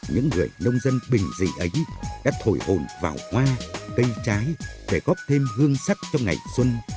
những người nông dân bình dị ấy đã thổi hồn vào hoa cây trái để góp thêm hương sắc cho ngày xuân